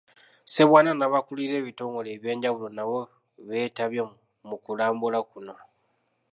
Ssebwana n'abakulira ebitongole ebyenjawulo nabo beetabye mu kulambula kuno.